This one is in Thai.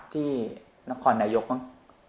ที่นครแนโยกข์